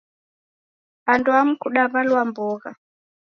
Anduamu kudaw'alwa mbogha.